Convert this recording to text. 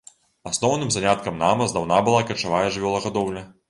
Асноўным заняткам нама здаўна была качавая жывёлагадоўля.